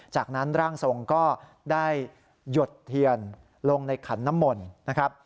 จากนั้นร่างทรงก็ได้หยดเทียนลงในขันน้ำมนต์นะครับ